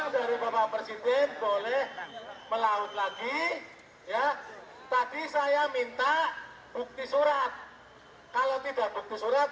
dari bapak presiden boleh melaut lagi ya tadi saya minta bukti surat kalau tidak bukti surat